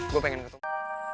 gue pengen ketemu